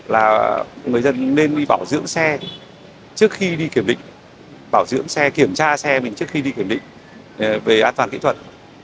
là người dân nên đi bảo dưỡng xe trước khi đi kiểm định bảo dưỡng xe kiểm tra xe mình trước khi đi kiểm định về an toàn kỹ thuật